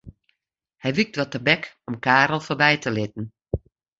Hy wykt wat tebek om Karel foarby te litten.